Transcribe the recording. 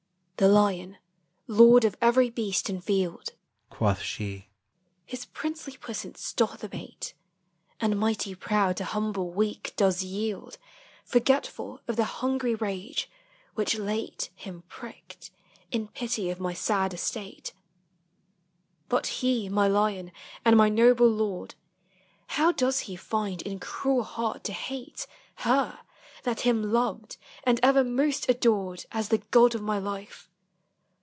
" The lyon, lord of everie beast in field," Quoth she, " his princely puissance doth abate, And miglitie proud to humble weake does yield\ Forgetfuli of the hungry rage, which late Him prickt, in pittie of my sad estate :— But he, my lyon, and my noble lord, How does he find in cruell hart to hate Her, that him lovd, and ever most adord As the god of my life